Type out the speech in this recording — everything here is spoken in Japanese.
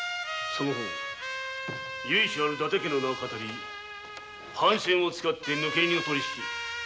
その方由緒ある伊達家の名をかたり藩船を使って抜け荷の取り引き。